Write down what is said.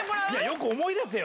よく思い出せよ！